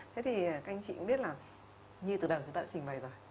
thế thì các anh chị cũng biết là ngay từ đầu chúng ta đã trình bày rồi